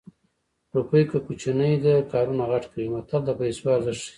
روپۍ که کوچنۍ ده کارونه غټ کوي متل د پیسو ارزښت ښيي